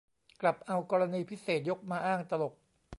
กลับเอากรณีพิเศษยกมาอ้าง ตลก